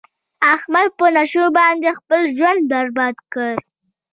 احمد په نشو باندې خپل ژوند برباد کړ.